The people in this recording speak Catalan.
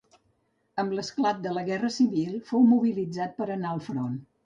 Amb l'esclat de la Guerra Civil fou mobilitzat per anar al front.